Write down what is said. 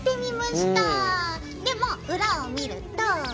でも裏を見ると。